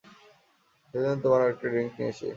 হেই তোমার জন্য আরেকটা ড্রিংক্স নিয়ে আসি।